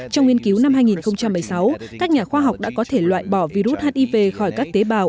trong nghiên cứu năm hai nghìn một mươi sáu các nhà khoa học đã có thể loại bỏ virus hiv khỏi các tế bào